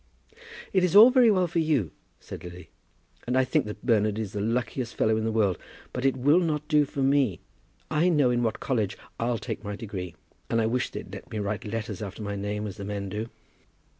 "It is all very well for you," said Lily, "and I think that Bernard is the luckiest fellow in the world; but it will not do for me. I know in what college I'll take my degree, and I wish they'd let me write the letters after my name as the men do."